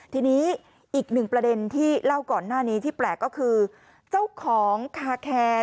ทีนี้อีกหนึ่งประเด็นที่เล่าก่อนหน้านี้ที่แปลกก็คือเจ้าของคาแคร์